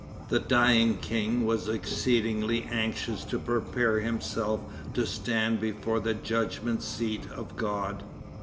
The dying king was exceedingly anxious to prepare himself to stand before the judgment seat of God.